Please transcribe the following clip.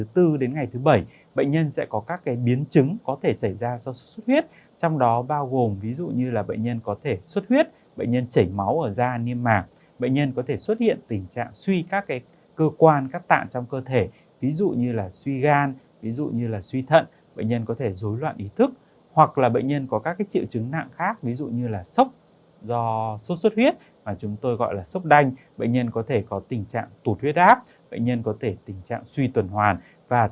từ ngày thứ bốn đến ngày thứ bảy bệnh nhân sẽ có các biến chứng có thể xảy ra sau sốt xuất huyết trong đó bao gồm ví dụ như là bệnh nhân có thể sốt huyết bệnh nhân chảy máu ở da niêm mảng bệnh nhân có thể xuất hiện tình trạng suy các cơ quan cắt tạng trong cơ thể ví dụ như là suy gan ví dụ như là suy thận bệnh nhân có thể dối loạn ý thức hoặc là bệnh nhân có các triệu chứng nặng khác ví dụ như là sốc do sốt xuất huyết mà chúng tôi gọi là sốc đanh bệnh nhân có thể có tình trạng tụt huyết ác bệnh nhân có thể tình trạng suy tuần hoàn và tình